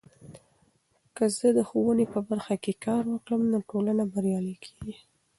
که زه د ښوونې په برخه کې کار وکړم، نو ټولنه بریالۍ کیږي.